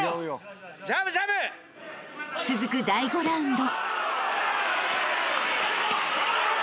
［続く第５ラウンド］